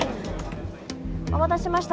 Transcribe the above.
お待たせしました。